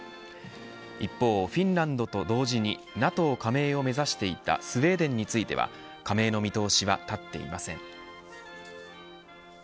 一方、フィンランドと同時にＮＡＴＯ加盟を目指していたスウェーデンについては加盟の見通しは立っていません。